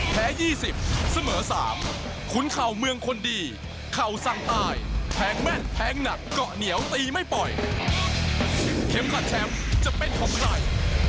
แผงหนักก็เหนียวตีไม่ปล่อยเค็มขัดแชมป์จะเป็นของใคร